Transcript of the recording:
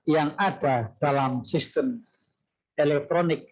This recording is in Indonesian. yang ada dalam sistem elektronik